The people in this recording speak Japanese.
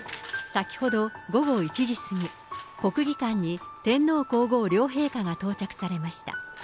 先ほど午後１時過ぎ、国技館に天皇皇后両陛下が到着されました。